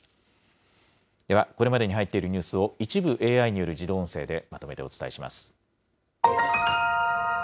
では、これまでに入っているニュースを一部ＡＩによる自動音声でまとめてお伝えします。